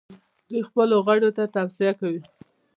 دوی خپلو غړو ته توصیه کوي.